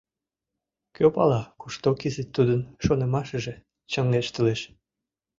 Кӧ пала, кушто кызыт тудын шонымашыже чоҥештылеш?..